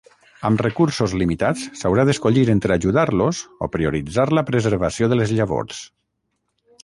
Amb recursos limitats, s'haurà d'escollir entre ajudar-los o prioritzar la preservació de les llavors.